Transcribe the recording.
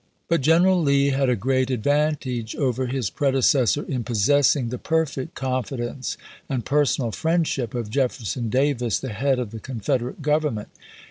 But General Lee had a great advantage over his predecessor in possessing the perfect confidence and personal friendship of Jeffer son Davis, the head of the Confederate Govern ment.